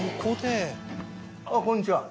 あっこんにちは